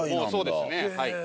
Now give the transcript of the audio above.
そうですねはい。